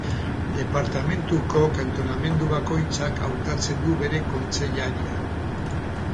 Departamenduko kantonamendu bakoitzak hautatzen du bere kontseilaria.